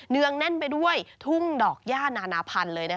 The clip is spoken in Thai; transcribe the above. งแน่นไปด้วยทุ่งดอกย่านานาพันธุ์เลย